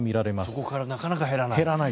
そこからなかなか減らない。